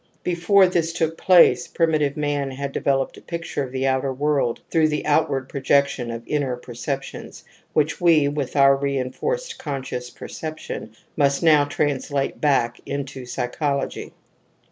Before this took place primitive man had developed a picture of the outer world through the outward projection of inner percep tions, which we, with our reinforced conscious perception, must now translate back into psychology.